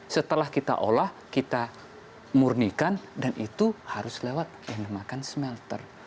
setelah kita olah kita murnikan dan itu harus lewat yang dinamakan smelter